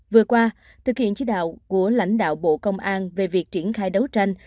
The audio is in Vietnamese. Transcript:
vừa qua thực hiện chí đạo của lãnh đạo bộ công an về việc triển khai đấu tranh